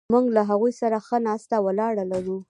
موږ له هغوی سره ښه ناسته ولاړه لرو.